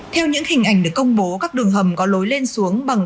theo những hình ảnh được công bố các đường hầm có lối xuyên vào khu vực trung tâm thành phố